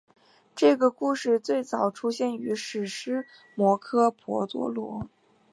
这个故事最早出现于史诗摩诃婆罗多。